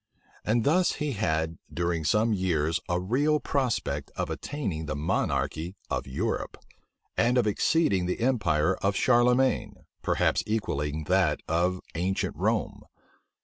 And thus he had, during some years a real prospect of attaining the monarchy of Europe, and of exceeding the empire of Charlemagne, perhaps equalling that of ancient Rome.